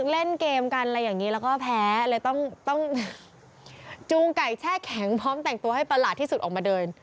เล่นเกมกันอะไรอย่างนี้แล้วก็แพ้เลยต้องจูงไก่แช่แข็งพร้อมแต่งตัวให้ประหลาดที่สุดออกมาเดิน